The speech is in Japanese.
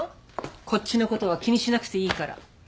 こっちのことは気にしなくていいから。